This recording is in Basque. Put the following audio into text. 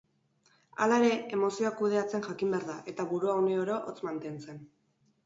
Hala ere, emozioa kudeatzen jakin behar da eta burua uneoro hotz mantentzen.